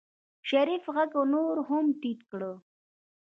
شريف غږ نور هم ټيټ کړ.